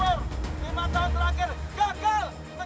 lima tahun terakhir gagal